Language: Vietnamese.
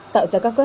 tạo ra các cơ hội